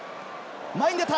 前に出た！